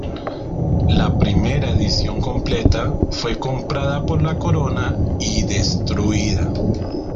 La primera edición completa fue comprada por la corona y destruida.